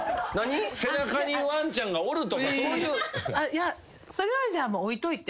いやそれはじゃあ置いといて。